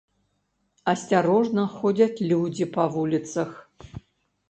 Асцярожна ходзяць людзі па вуліцах.